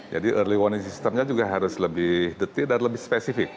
jadi early warning systemnya juga harus lebih detail dan lebih spesifik